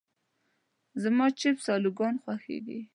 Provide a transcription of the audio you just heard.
زما چپس الوګان خوښيږي.